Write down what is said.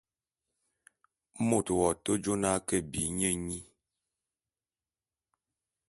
Mot w'ake jô na me ke bi nye nyi.